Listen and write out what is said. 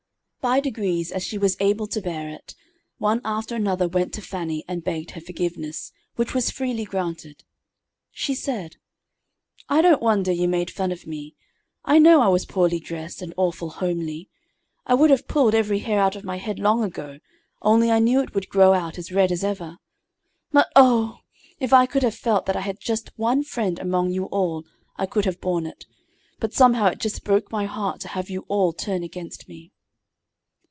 By degrees, as she was able to bear it, one after another went to Fannie and begged her forgiveness, which was freely granted. She said: "I don't wonder you made fun of me. I know I was poorly dressed, and awful homely. I would have pulled every hair out of my head long ago only I knew it would grow out as red as ever. But, oh! if I could have felt that I had just one friend among you all I could have borne it; but somehow it just broke my heart to have you all turn against me."